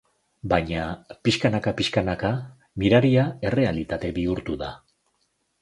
Baina pixkanaka-pixkanaka miraria errealitate bihurtu da.